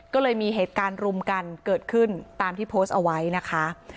ก็เลยมีเหตุการณ์รุมกันเกิดขึ้นตามที่โพสต์เอาไว้นะคะ